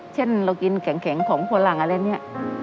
เช่นเรากินแข็งของผัวหลังอะไรนี้